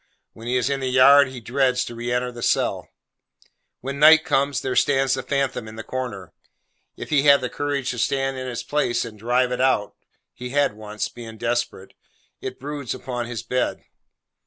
When he is in the yard, he dreads to re enter the cell. When night comes, there stands the phantom in the corner. If he have the courage to stand in its place, and drive it out (he had once: being desperate), it broods upon his bed.